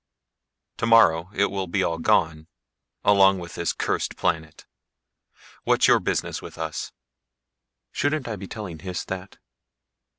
Tomorrow it will be all gone along with this cursed planet. What's your business with us?" "Shouldn't I be telling Hys that?"